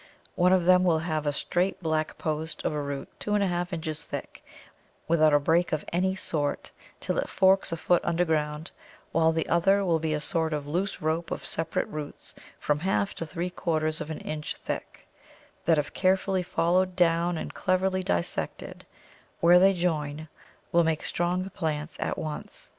One of them will have a straight black post of a root 2 1/2 inches thick without a break of any sort till it forks a foot underground, while the other will be a sort of loose rope of separate roots from half to three quarters of an inch thick, that if carefully followed down and cleverly dissected where they join, will make strong plants at once.